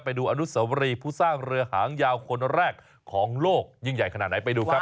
ไปดูอนุสวรีผู้สร้างเรือหางยาวคนแรกของโลกยิ่งใหญ่ขนาดไหนไปดูครับ